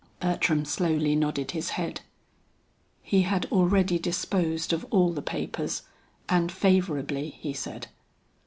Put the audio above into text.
Bertram slowly nodded his head. "He had already disposed of all the papers, and favorably," he said.